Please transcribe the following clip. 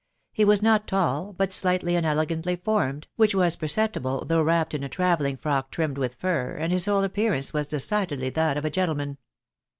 He was not tall, but slightly and elegantly formed, which • was perceptible, though wrapped in a travelling frock trimmed with fur, and hk whole appearance was decidedly that of a gentleman.